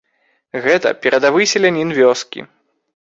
Гэта перадавы селянін вёскі.